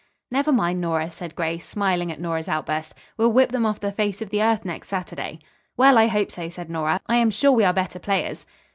"Never mind, Nora," said Grace, smiling at Nora's outburst. "We'll whip them off the face of the earth next Saturday." "Well, I hope so," said Nora, "I am sure we are better players."